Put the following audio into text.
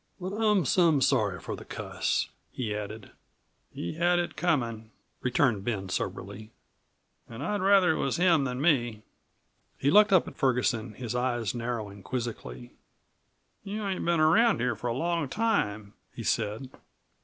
"But I'm some sorry for the cuss," he added. "He had it comin'," returned Ben soberly. "An' I'd rather it was him than me." He looked up at Ferguson, his eyes narrowing quizzically. "You ain't been around here for a long time," he said.